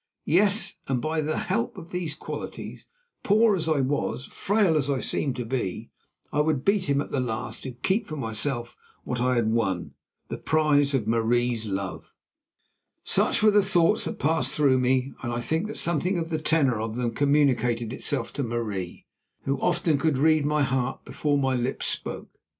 Yes, and that by the help of these qualities, poor as I was and frail as I seemed to be, I would beat him at the last and keep for myself what I had won, the prize of Marie's love. Such were the thoughts which passed through me, and I think that something of the tenor of them communicated itself to Marie, who often could read my heart before my lips spoke.